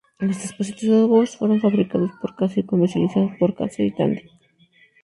Los dispositivos fueron fabricados por Casio y comercializados por Casio y Tandy.